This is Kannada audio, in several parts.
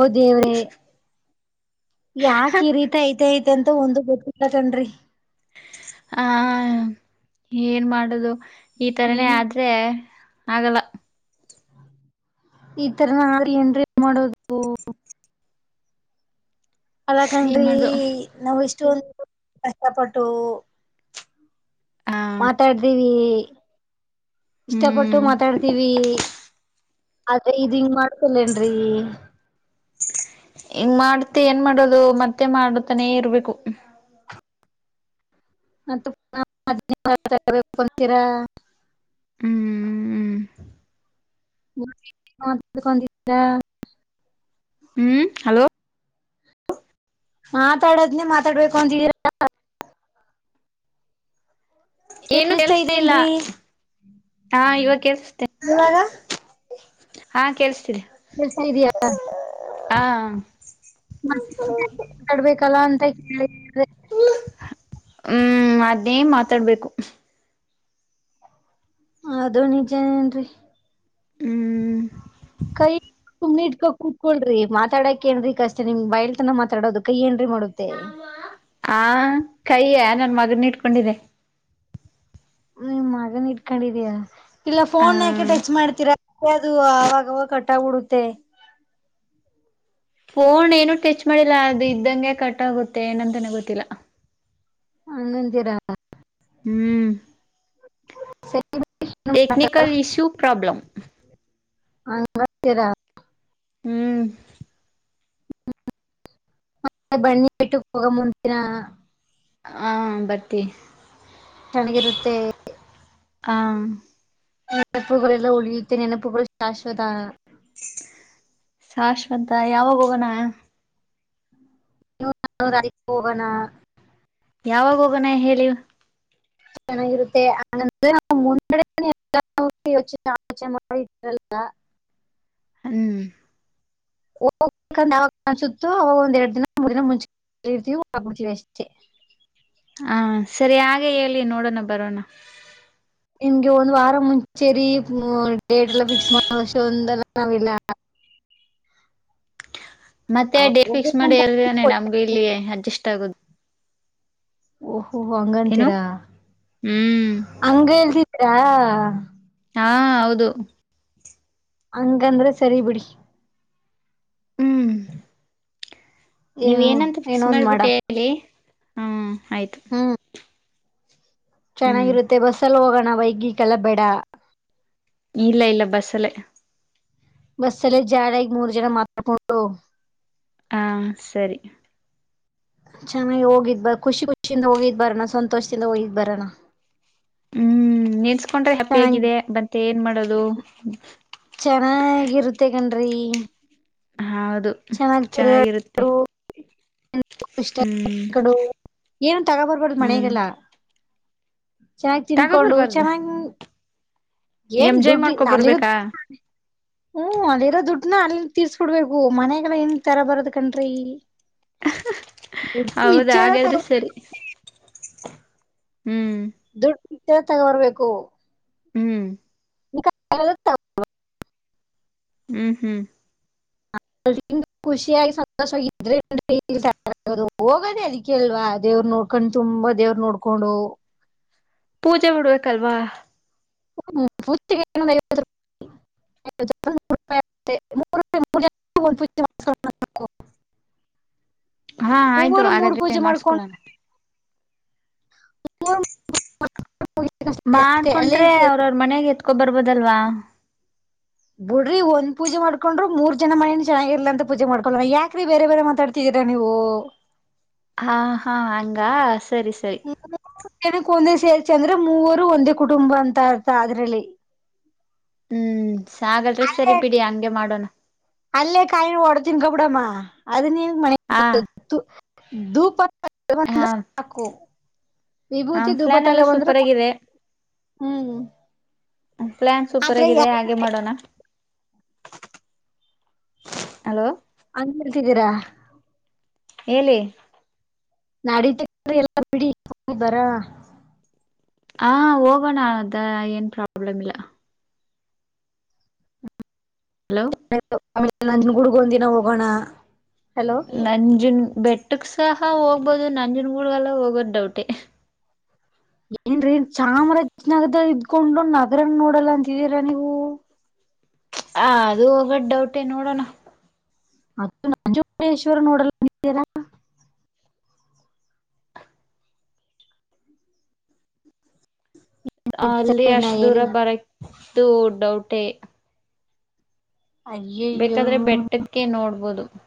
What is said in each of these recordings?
ಓ ದೇವ್ರೇ ಯಾಕ ಈ ರೀತ ಐತೆ ಐ ಮತ್ತೆಂತ ಒಂದು ಗೊತ್ತಿಲ್ಲ ಕಣ್ರಿ ಹ ಏನ್ ಮಾಡೋದು ಇತರನೇ ಆದ್ರೆ ಆಗಲ್ಲ ಇ ತರನ ಏನ್ರೀ ಮಾಡೋದು? ಅಲ್ಲಾ ಏನ್ ಕಣ್ರೀ ಮಾಡುದು ನಾವ್ ಇಷ್ಟ್ ಇಸ್ಟೊಂದು ಕಷ್ಟಪಟ್ಟು ಆ ಮಾತಾಡ್ದೀವಿ ಹೆ ಇಷ್ಟಪಟ್ಟು ಹ್ಮ್ ಮಾತಾಡ್ತೀವೀ ಅದೇ ಇದಿಂಗ್ ಮಾಡ್ತಿರ್ಲಿಲ್ರಿ [unintelligible] ಇಂಗ್ ಮಾಡ್ತಿ ಏನ್ ಮಾಡೋದು ಮತ್ತೆ ಮಾಡ್ತನೇ ಇರ್ಬೇಕು ಮಂತೀರಾ [unintelligible] ಹ್ಮ್ ಹ್ಮ್ ಹ್ಮ್ [unintelligible] ಹ್ಮ ಹಲೋ ಮಾತಾಡದ್ನೇ ಮಾತಾಡ್ಬೇಕು ಅಂತಿದಿರಾ ಏನು ಕೇಳಿಸ್ತಾ ಕೆಳ್ಸ್ತಿಲ್ಲ, ಇದೇನ್ರಿ ಹಾ ಇವಾಗ ಕೆಳ್ಸುತ್ತೆ ಇವಾಗ ಹಾ ಕೇಳ್ಸ್ತಿದೇ ಹೇಳ್ತಾ ಇದಿಯಲ್ಲ ಹ ಹ ಮಡ್ಬೇಕಲ್ಲ ಅಂತ [unintelligible] ಹ್ಮ [unintelligible] ಹ್ಮ್ ಅದೇ ಮಾತಾಡ್ಬೇಕು ಅದು ನಿಜನೇನ್ರಿ ಹ್ಮ್ ಕೈ ನೀಟ್ಕ ಕುತ್ಕೊಳ್ರಿ ಮಾತಾಡಕ್ ಏನ್ರರಿ ಕಷ್ಟ ನಿಮ್ ಬಾಯಲ್ ತನೇ ಮಾತಾಡೋದು ಕೈ ಏನ್ರೀ ಮಾಡುತ್ತೆ ಹಾ ಕೈಯ ನನ್ ಮಗ್ ಅದೃನ್ ಇಟ್ಕೊಂಡಿದೆ ಮ್ ಮಗನ್ ಇಟ್ಕನ್ಡಿದೀಯಾ? ಇಲ್ಲ ಆ ಫೋನ್ ಯಾಕೆ ಟಚ್ ಮಾಡ್ತೀರಾ ಅದು ಅವಾಗವಾಗ್ ಕಟ್ಟಗ್ ಬಿಡುತ್ತೆ ಫೋನ್ ಏನು ಟಚ್ ಮಾಡಿಲ್ಲ ಅದು ಇದ್ದಂಗೆ ಕಟ್ ಆಗುತ್ತೆ ಏನಂತಾನೆ ಗೊತ್ತಿಲ್ಲ ಅಂಗಂತೀರಾ? ಹ್ಮ್ ಟೆಕ್ನಿಕಲ್ ಇಶ್ಯೂ ಪ್ರಾಬ್ಲಮ್ ಅಂಗಂತೀರಾ [unintelligible] ಹ್ಮ್ ಹ್ಮ ಮತ್ತೆ ಬನ್ನಿ ಬೆಟ್ಟಕ್ [inaudible] ಹೋಗಮ್ ಒಂದಿನ ಹಾ ಬರ್ತೀ ತಣ್ಗಿರುತ್ತೆ ಹಾಮ್ ನೆನಪುಕೆಲ್ಲ ಉಳಿಯುತ್ತ ನೆನಪುಗಳು ಶಾಶ್ವತ ಶಾಶ್ವತ ಯಾವಾಗ ಹೋಗೋಣ [inaudible] ಯಾವಾಗ ಹೋಗೋಣ ಹೇಳಿವ [inaudible] ಹ್ಮ್ ಹೋಗ್ಬೇಕಂದ ಅವಾಗ ಕನ್ಸುತ್ತು ಅವಾಗ ಒಂದ್ ಎರಡ್ ದಿನ ಮೂರ್ ದಿನ ಮುಂಚ್ರ್ತೀವಿ ಆಬಡ್ವಿ ಅಷ್ಟೇ [unintelligible] ಹಾ ಸರಿ ಹಾಗೆ ಹೇಳಿ ನೋಡೋಣ ಬರೋಣ ನಿಮ್ಗೆ ಒಂದ್ ವಾರ ಮುಂಚೆರಿ ಡೇಟ್ ಎಲ್ಲ ಫಿಕ್ಸ್ ಮಾಡಷ್ಟ ಒಂದಲ್ಲ ನಾವಿಲ್ಲ ಮತ್ತೆ ಅವಾಗ ಡೇಟ್ ಫಿಕ್ಸ್ ಮಾಡಿ ಹೋಗ್ಬೇಕಂತ ಎರದಾನನೆ ನಮ್ಗು ಇಲ್ಲಿ ಅಡ್ಜಸ್ಟ್ ಆಗುದು ಹೂ ಹೂ ಓಹ್ ಏನು ಹಂಗಂತೀರಾ ಹ್ಮ್ ಹಂಗ ಹಳ್ತಿದ್ದೀರಾ ಹಾ ಹಾ ಹೌದು ಹಂಗಂದ್ರೆ ಸರಿ ಬಿಡಿ ನೀವ್ ಏನು ಏನಂತ ಏನೋ ಫಿಕ್ಸ್ ಒಂದ್ ಮಾಡ ಮಾಡ್ಬಿಟ್ಟೆಲ್ಲಿ ಆಯಿತು ಹ್ಮ್ ಚೆನ್ನಾಗಿರುತ್ತೆ ಬಸ್ಸಲ್ಲಿ ಹೋಗೋಣ ನ ವೈಗಿ ಕಲಬೇಡ [unintelligible] ಇಲ್ಲ ಇಲ್ಲ ಬಸ್ಸಲ್ಲೇ ಬಸ್ಸಲ್ಲ ಜಾಡ ಈಗ ಮೂರ್ ಜನ ಮಾತಾಡ್ಕೊಂಡು [inaudible] ಹಾ ಸರಿ ಚೆನ್ನಾಗಿ ಹೋಗಿದ್ ಬ ಖುಷಿ ಖುಷಿಯಿಂದ ಹೋಗಿದ್ ಬರೋಣ ಸಂತೋಷದಿಂದ ಹೋಗಿದ್ ಬರೋಣ ಹ್ಮ್ ಕೊಂಡ್ರೆ ಹ್ಯಾಪಿ ಚೆನ್ನಾಗಿ ಆಗಿದೆ ಬಂತೆೆ ಏನ್ ಮಾಡೋದು [inaudible] ರೀ ಹೌದು ಚೆನ್ನಾಗಿರುತ್ತೆ ಹ್ಮ್ [unintelligible] ಏನು ತಗೋಬರ್ಬಾರ್ದ್ ಹ್ಮ್ ಮನೆಗೆಲ್ಲ ಚೆನ್ನಾಗ್ ತಿನ್ಕೊಂಡು ತಗೋಬರ್ಬಾರ್ದ ಚೆನ್ನಾಗಿ ಏನ್ ಎಂಜಾಯ್ ದುಡ್ರಿ ಮಾಡ್ಕೊ ನನ್ಗೂ ದು ಬರ್ಬೇಕಾ [unintelligible] ಹ್ಮ್ ಅಲ್ಲಿರೋ ದುಡ್ನ ಅಲ್ಲಿ ತೀರ್ಸ್ಕೊಡ್ಬೇಕು ಮನ್ಯಾಗಲ್ಲ ನ್ ತರ ಬರದ್ ಕಣ್ರೀ ಹೌದಾ ಹಾಗಾದ್ರೆ [inaudible] ಸರಿ ಹ್ಮ್ [inaudible] ಇ ತಗ ಬರ್ಬೇಕು ಹ್ಮ್ [unintelligible] ಹ್ಮ್ ಹ್ಮ್ ಖುಷಿಯಾಗಿ ಸಂತೋಷವ ಇದ್ರೆ ಹೋಗದೇ ಅದಕ್ಕೆಲ್ವಾ ದೇವ್ರ ನೋಡ್ಕೊಂಡು ತುಂಬಾ ದೇವ್ರ ನೋಡ್ಕೊಂಡು ಪೂಜೆ ಮಾಡಡ್ಬೇಕಲ್ವಾ. ಹ್ಮ ಪು. [unintelligible] ಹಾ ಆಯ್ತು ಹಾಗಾದ್ರೆ ಮಾಡ್ಸ್ಕೊಳಣ. ಹ. [unintelligible] ಮಾಡ್ಕೊಂಡ್ರೆ ಅವ್ರವ್ರ ಮನೆಾಗ ಎತ್ ಕುದೂರು ಬಿದಲ್ವಾ. ಬಿಡ್ರಿ ಒಂದ್ ಪೂಜೆ ಮಾಡ್ಕೊಂಡರು ಮೂರ್ ಜನ ಮನೇನ್ ಚೆನ್ನಾಗ್ ಇಲ್ಲಿಅಂತ ಪೂಜೆ ಮಾಡ್ಕೊಂಡು ಯಾಕ್ರೀ ಬೇರೆ ಬೇರೆ ಮಾತಾಡ್ತಿದೀರ ನೀವು. ಹಾ ಹಾ ಹಂಗ. ಸರಿ ಸರಿ. ಮೂರ್ ಜನಕ್ಕೆ ಒಂದೇ ಸೇರ್ ಚಂದ್ರೆ ಮೂವರು ಒಂದೇ ಕುಟುಂಬ ಅಂತ ಇರ್ತ ಅದ್ರಲ್ಲಿ. ಹ್ಮ್. ಹಾಗಾದ್ರೆ ಸರಿ ಅಲ್ಲೇ ಬಿಡಿ ಹಂಗೆ ಮಾಡೋಣ ಅಲ್ಲೇ ಕಾಯಿ ಓಡತಿನ್ಕ ಬಿಡಮ್ಮ ಅವನು ಮ. ಹ [unintelligible] ದೂಪ ಂದ ಹ ಸಾಕು ಹ ವಿಭೂತಿ ಧೂಪ ಪ್ಲಾನ್ ತಗ ಎಲ್ಲ ಬಂದ್ರೆ ಸೂಪರ್ ಆಗಿದೆ ಹ್ಮ್ ಪ್ಲಾನ್ ಸೂಪರ್ ಆದ್ರೆ ಆಗಿದೆ ಹಾಗೆ ಮಾಡೋಣ ಹಲೋ ಅಂತಿರ್ತಿದ್ದೀರಾ. ಹೇಳಿ. ನಾಡೀತ್ರ ಎಲ್ಲ ಬಿಡಿ ಬರ. ಹಾ ಹೋಗೋಣ ಅದ ಏನ್ ಪ್ರಾಬ್ಲಮ್ ಇಲ್ಲ. ಹಲೋ. ಆಮೇಲೆ ನಂದನ್ ಗುಡ್ಗ ಒಂದಿನ ಹೋಗೋಣ. ಹಲೋ ನಂಜುನ್. ಬೆಟ್ಟಕ್ ಸಹ ಹೋಗ್ಬೋದು ನಂಜನ್ಗೂಡುಗೆಲ್ಲ ಹೋಗೋದ್ ಡೌಟೆ. ಏನ್ರೀನ್ ಚಾಮರಾಜನಗರ ಇದ್ಕೊಂಡು ನಗರನ ನೋಡಲ್ಲ ಅಂತಿದೀರಾ ನೀವು. ಹ ಅದು ಹೋಗದ ಡೌಟೆ ನೋಡೋಣ. ಮದು ನಂಜುೇಶ್ವರ ನೋಡಲ್ಲಿದ್ದೀರ ಅಲ್ಲಿ ನಾ ಅಷ್ಟ್ ದೂರ ಹೇಳಿ ಬರಕ್. ಇದು ಡೌಟೇ. ಅಯ್ಯಯ್ಯೋ ಬೇಕಾದ್ರೆ ಬೆಟ್ಟಕ್ಕೆ ನೋಡ್ಬೋದು. ಹ್.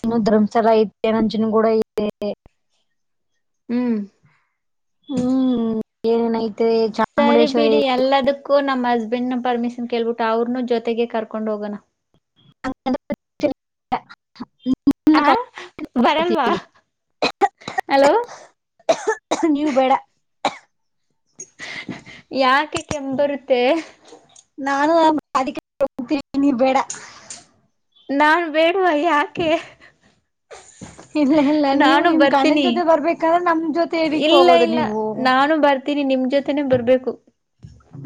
ಇನ್ನುೂ ಧರ್ಂಸ ರೈತ್ಯ ನಂಜನಗೂಡು ಕೂಡ ಐತೆ ಹ್ಮ್. ಹ್ಮ್ ಏನನಾಯ್ತು. ಸರಿ ಬಿಡಿ ಎಲ್ಲದಕ್ಕ. ಕೂ ನಮ್ಮ್ ಹಸ್ಬೆಂಡ್ ನ ಪರ್ಮಿಷನ್ ಕೇಳ್ಬಿಟ್ಟ ಅವ್ರನು ಜೊತೆಗೆ ಕರ್ಕೊಂಡ್ ಹೋಗೋಣ. ಅ. [unintelligible] ಹ ಬರಲ್ವಾ ಹಲೋ ನೀವು ಬೇಡ ಯಾಕೆ ಕೆಮ್ ಬರುತ್ತೆ? ನಾನು [inaudible] ಅದ್ಕೆ ಹೋಗ್ತಿದೀನಿ ಬೇಡ. ನಾನ್ ಬೇಡವ ಯಾಕೆ? ಇಲ್ಲ ಇಲ್ಲ ನೀವು ನಾನು ನಿಮ್ಮ ಗಂಡನ ಬರ್ತೀನಿ ಜೊತೆ ಬರ್ಬೇಕಂದ್ರೆ ನಮ್ಮ ಜೊತೆ ಎದ್ದಕ ಇಲ್ಲ ಹೋಗೋದು ಇಲ್ಲ ನೀವು. ನಾನು ಬರ್ತೀನಿ ನಿಮ್ ಜೊತೆನೆ ಬರ್ಬೇಕು.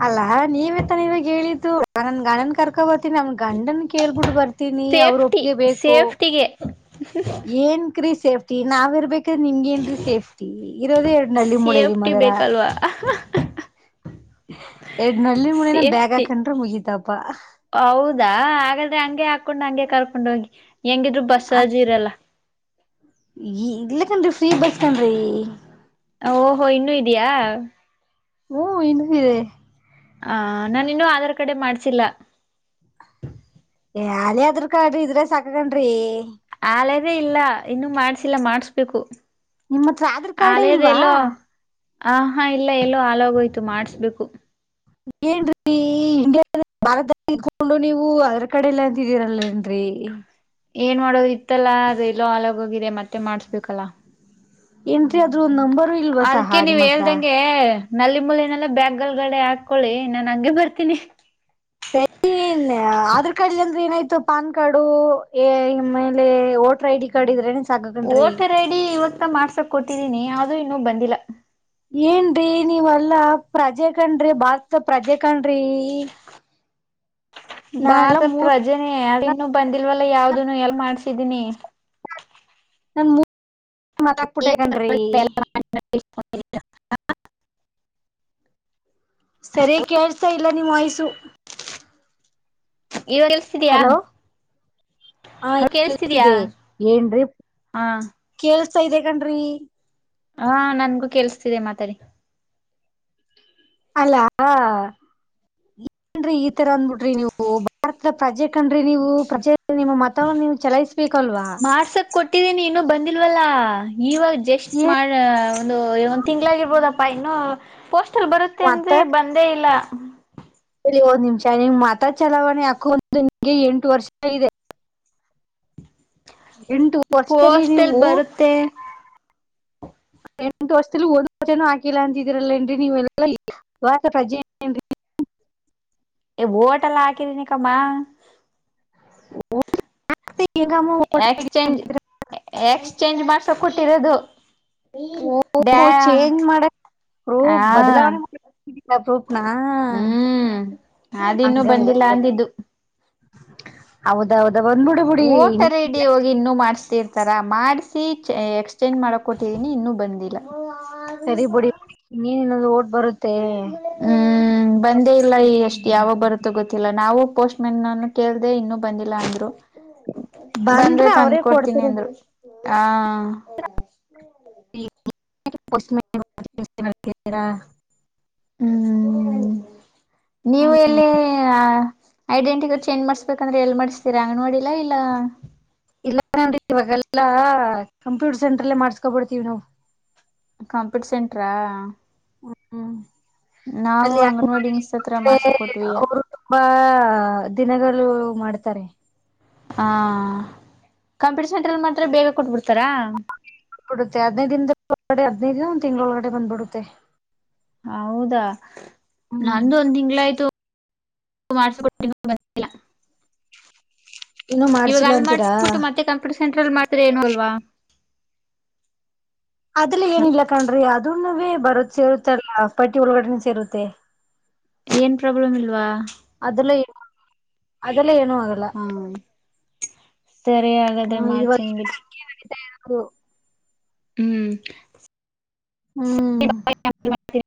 ಅಲ್ಲಾ ನೀವೇ ತಾನೆ ಇವಾಗ ಹೇಳಿದ್ದು ನನ್ನ ಗಂಡನ ಕರ್ಕೊ ಬರ್ತೀನಿ ನನ್ನ. ಗಂಡನ್ ಕೇಳ್ಬಿಟ್ಟು ಬರ್ತೀನಿ ಅವ್ರ ಸೇಫ್ಟಿ ಒಪ್ಗೆ ಬೇಕು. ಸೇಫ್ಟಿಗೆ ಏನ್ ಕ್ರಿಸ. ಸೇಫ್ಟಿ ನಾವ್ ಇರ್ಬೇಕ. ನಿಮಗ ಏನ್ರಿ ಸೇಫ್ಟಿ ಇರೋದೇ ಎರಡ್ ನಳ್ಳಿ ಮೂಳೆ ನಿಮ್ಮ ಸೇಫ್ಟಿ ಹತ್ರ ಬೇಕಲ್ವಾ ಎರಡ್ ನಳ್ಳಿ ಮೂಳೆನ ಬ್ಯಾಗ್ ಸೇಫ್ಟಿ ಹಾಕೊಂಡ್ರ ಮುಗಿತಪ. ಹೌದಾ ಹಾಗಾದ್ರೆ ಹಂಗೆ ಹಾಕೊಂಡ್ ಹಂಗೆ ಕರ್ಕೊಂಡ ಹೋಗಿ. ಹೆಂಗಿದ್ರು ಬಸ್ ಚಾರ್ಜು ಇರಲ್ಲ. [unintelligible] ನಮ್ದು ಫ್ರೀ ಬಸ್ ಕಣ್ರೀ.. ಓ ಇನ್ನು ಇದಿಯಾ? ಹ್ಮ ಇನ್ ಇದೆ. ಹ ನಾನ ಇನ್ನುೂ ಆಧಾರ್ ಕಾರ್ಡೆೇ ಮಾಡ್ಸಿಲ್ಲ. ಯಾ ಹಳೆ ಆಧಾರ ಕಾರ್ಡ ಇದ್ರ ಸಾಕಕಣ್ರಿ. ಇನ್ನುೂ ಮಾಡ್ಸಿಲ್ಲ ಮಾಡಸ್ಬೇಕು. ನಿಮ್ಮ್ ಹತ್ರ ಆಧಾರ್ ಕಾರ್ಡೇ ಹಾಳೇದ ಇಲ್ವಾ ಏಲೋ ಆಹಾ ಇಲ್ಲ. ಎಲ್ಲೋ ಹಾಳಾಗೋಯ್ತು ಮಾಡ್ಸಬೇಕು. ಏನ್ ರೀ ಇಂಡಿಯ ಭಾರತದಲ್ಲಿ ಇದಕೊಂಡು ನೀವು ಆಧಾರ್ ಕಾರ್ಡ್ ಇಲ್ಲ. ಇರಲ್ಲ ಏನ್ರಿ. ಗೋತ್ತಲ್ಲಾ ಅದ ಎಲ್ಲೋ ಹಾಳಾಗೋಗಿದೆ ಮತ್ತೆ ಮಾಡಸ್ಬೇಕಲ್ಲ. ಇಂದ. ಎ ಅದ್ರ ನಂಬರು ಇಲ್ವಾ ಅದಕ್ಕೆ ಸಹ ನೀವ್ ನಿಮ್ಮ ಹತ್ರ? ಹೇಳ್ದಂಗೆ ನಲ್ಲಿ ಮುಳನೆಲ್ಲ ಬ್ಯಾಗ ಒಳಗಡೆ ಹಾಕೊಳ್ಳಿ ನಾನ್ ಹಂಗೆ ಬರ್ತೀನಿ. ಏನ್ ಆಧಾರ್ ಕಾರ್ಡ್ ಇಲ್ಲ ಅಂದ್ರೆ ಏನಾಯ್ತು? ಇ ಪಾನ್ ಕಾರ್ಡು ಮೇಲೆ ವೋಟರ್ ಐಡಿ ಕಾರ್ಡ್ ಇದ್ರೆ, ಓಟರ್ ಐಡಿ ಇವತ್ತು, ಮಾಡ್ಸಕ್ ಕೊಟ್ಟಿದೀನಿ ಆದ್ರೂ ಇನ್ನುೂ ಬಂದಿಲ್ಲ. ಏನ್ರೀ ನೀವಲ್ಲಾ ಪ್ರಜೆ ಕಣ್ರಿ ಭಾರತಡಿ ಪ್ರಜೆ ಕಣ್ರಿ. ನಾನೆಲ್ಲಾ ಭಾರತ ಮೂರ್ ಪ್ರಜೆನೆ ಅದ ಇನ್ನು ಬಂದಿಲ್ವಲ್ಲ. ಯಾವ್ದನು ಎಲ್ಲಿ ಮಾಡ್ಸ? ಇದೀನಿ. ಮಾತಾಡ್ಬಿಟ್ಟೆ ಕಣ್ರೀ. ಹ [unintelligible] ಸರಿ ಕೇಳ್ತಾ ಇಲ್ಲ ನಿಮ್ಮ್ ವಯ್ಸು ಇವಾಗ ಕೇಳ್ಸ್ತಿದ್ಯಾ ಹಲೋ ಹ ಕೇಳಸ್ತಿದೆ ಏನ್ೀ ಹಾ ಕ ಇದೆ ಕನ್್ರಿ ಹಾ ನನ್ಗೂ ಕೆಲ್ಸತಿದೆ ಮಾತಾಡಿ ಅಲ್ಲಾ ಏನ್ರಿ ಈ ತರ ಅಂದ್ಬಿಟ್ರಿ ನೀವು ಭಾರತದ ಪ್ರಜೆ ಕಣ್ರಿ ನೀವು ಪ್ರಜೆ ದು ನಿಮ್ಮ ಮತನ್ನ ನೀವು ಚಲಾಯಿಸ್ಬೇಕಲ್ವಾ ಕೊಟ್ಟಿದ್ದೀನಿ ಇನ್ನು ಬಂದಿಲ್ವಲ್ಲ ಇವಾಗ ಜಸ್ಟ್ ಮಾಡ ಒಂದು ಒಂದು ತಿಂ್ಗಳಾಗಿರ್ಬೋದಪ್ಪ ಏನ್ ಇನ್ನೂ ಪೋಸ್ಟಲ್ ಬರುತ್ತೆ ಮತ್ತ ಅಂದರೆ ಬಂದೇ ಇಲ್ಲ ಒಂದ್ ನಿಮಿಷ ನಿಂ್ ಮತ ಚಲಾವಣೆ ಹಾಕೊಂಡು ನಿಂಗೆ ಎಂಟು ವರ್ಷ ಇದೆ ಎಂಟು ವರ್ಷದಲ್ಲಿ ಪೋಸ್ಲ್ ನೀವು ಬರುತ್ತೆ ಎಂಟು ವರ್ಷದಲ್ಲಿ ಒಂದ್ ವತೇನ ಹಾಕಿಲ್ಲ ಅಂತಿದೀರಲ್ಲ ಏನ್ರಿ ನೀವೆಲ್ಲ [unintelligible] ಪ್ರಜೆ ಏನ್ ರಿ [unintelligible] ಹೇ ಹೋಟಲ್ ಹಾಕಿದೀನಿ ಕಮ್ಮ ಹೆಂಗಮ್ಮ ವೋಟ್ ಹಾಕಿ- ಎಕ್ಸ್ಚೇಂಜ್ ಎಕ್ಸ್ಚೇಂಜ್ ಮಾಡಸಕ ಹಟ್ಟಿರದು ಡ್ಯಾ ಓಹೋ ಚೇಂಜ್ ಮಾಡಕ್ ಹ ಪ್ರೂಫ್ ಬದಲಾವಣೆ ಮಾಡಕ್ ಪ್ರೂಫ್ ನಾ ಹ್ಮ್ ಅದೆನ್ನುೂ ಬಂದಿಲ್ಲ ಅಂದಿದ್ದು ಹೌದೌದು ಓಟರ ಐಡಿ ಹೋಗಿ ಇನ್ನುೂ ಮಾಡ್ಸ್ತಿರ್ ಈಥರ ಮಾಡ್ಿಸಿಿ ಎಕ್ಸ್ಚೆಂಜ್ ಮಾಡಕ್ ಕೊಟ್ಟಿದೀನಿ ಇನ್ನೂ ಬಂದಿಲ್ಲ ಸರಿ ಬಿುಡಿ ನೀ ನೋಡ್ ಹ್ಮ್ ಬಂದೇ ಇಲ್ಲ ಈ ಅಷ್ಟ್ ಯಾವಾಗ ಬರುತ್ತೋ ಗೊತ್ತಿಲ್ಲ ನಾವು ಪೋಸ್ಟ್ ಮೆನ್ ನನ್ನು ಕೇಳ್ದಿದೆ ಇನ್ನು ಬಂದಿಲ್ಲ ಅಂದ್ರು ಬಂದ್ರೆ ತಂದ್ ಕೊಡ್ತೀನಿ ಅಂದ್ರು ಹಾ [unintelligible] ಹ್ಮ್ ನೀವು ಎಲ್ಲಿ ಆ ಐಡೆಂಟಿ ಕಾರ್ಡ್ ಚೇಂಜ್ ಮಾಡಸ್ಬೆಕಂಡ್ರೆ ಎಲ್ ಮಾಡಿಸ್ತೀರಾ ಅಂಗನವಾಡಿಲಾ ಇಲ್ಲ ಇಲ್ಲ ನನ್ ಇವಾಗೆಲ್ಲಾ ಕಂಪ್ಯೂಟರ್ ಸೆಂಟರ್ಲ್ಲೇ ಮಾಡ್ಸ್ಕೊಬಿಡ್ತೀವಿ ನಾವು ಕಾಂಪ್ಯೂಟರ್ ಸೆಂಟರಾ ಹ್ಮ್ ನಾವು ಅಲ್ಲಿ ಅಂಗನವಾಡಿ ಮಿಸ್ ಹತ್ರ ಅಂದ್ರೆ ಮಾಡ್ಸ ಕೊೊಟ್ವಿಯ ಅವರು ತುಂಬಾ ದಿನಗಳು ಮಾಡ್ತಾರೆ ಹಾ ಕಂಪ್ಯೂಟರ್ ಸೆಂಟರ್ಲ್ಲಿ ಮಾತ್ರ ಬೇಗ ಕೊಬಿಡ್ತ ಡ ಅದಿನೈ ದ ಅ ಒಂದ್ ತಿಂಗಳೊಳಗಡೆ ಬಂದ್ಬಿಡುತ್ತೆ ಹೌದಾ ಹ್ಮ್ ನಂದು ಒಂದ್ ತಿಂಗ್ಳ ಆಯ್ತು ಮಾಡ್ಸಟ್ಟ ಬಿಲ್ಲ ಇನ್ನು ಇವಾಗ ಮಾಡ್ಸಿಲ್ಲ ಅಲ್ಲಿ ಅಂತೀರಾ ಮಾಡ್ಸಬಿಟ್ಟು ಮತ್ತೆ ಕಂಪ್ಯೂಟರ್ ಸೆಂಟರ್ ಅಲ್ಲಿ ಮಾಡಿದ್ರೆ ಏನು ಆಗಲ್ವಾ ಅದಲ ಏನಿಲ್ಲ ಕಣ್ರಿ ಅದು ನವೆ ಬರೋದ ಸೇರುತ್ತಲ್ಲ ಪಟ್ಟಿ ಒಳಗಡೆನೆ ಸೇರುತ್ತೆ ಏನ್ ಪ್ರಾಬ್ಲಮ್ ಇಲ್ವಾ ಅಲ್ಲನು ಅಲ್ಲ ಏನು ಅ ಹಾ ಸರಿ ಹಾಗಾದ್ರೆ ಮಾಡ್ತೀನಿ ಬಿಡಿ ಹು ಹ್ಮ್ ಹ್ಮ್ ಹ